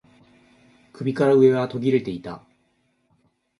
首から上は途切れていた